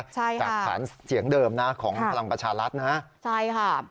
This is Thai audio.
ใช่ค่ะจากฐานเสียงเดิมนะของพลังประชารัฐนะใช่ค่ะ